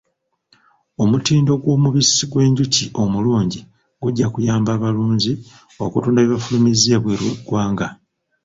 Omutindo gw'omubisi gw'enjuko omulungi gujja kuyamba abalunzi okutunda bye bafulumizza ebweru w'eggwanga.